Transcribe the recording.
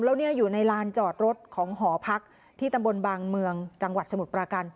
แล้วเนี่ยอยู่ในลานจอดรถของหอพักที่ตำบลบางเมืองจังหวัดสมุทรปราการ